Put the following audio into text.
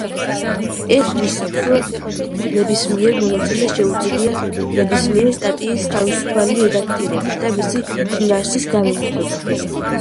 ეს ნიშნავს, რომ ნებისმიერ მონაწილეს შეუძლია ნებისმიერი სტატიის თავისუფალი რედაქტირება და მისი შინაარსის განვრცობა.